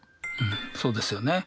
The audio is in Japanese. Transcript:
そうですよね。